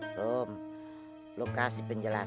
tidak bisa kita berbicara dengan perintah